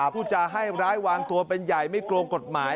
ผู้จาให้ร้ายวางตัวเป็นใหญ่ไม่กลัวกฎหมาย